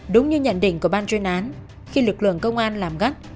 đúng như nhận định của ban chuyên án khi lực lượng công an làm gắt